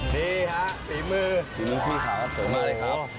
มีค่ะปีมือปีมือพี่ค่ะสุดมากเลยครับ